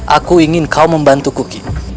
aku ingin kau membantu kuki